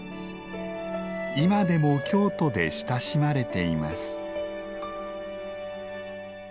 今でも京都で親しまれています。